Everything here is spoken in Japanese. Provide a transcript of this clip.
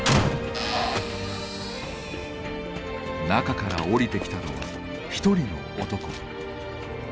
中から降りてきたのは一人の男。